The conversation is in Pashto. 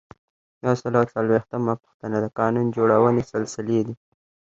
یو سل او څلویښتمه پوښتنه د قانون جوړونې سلسلې دي.